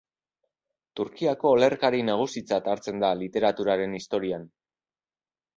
Turkiako olerkari nagusitzat hartzen da literaturaren historian.